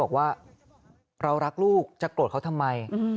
บอกว่าเรารักลูกจะโกรธเขาทำไม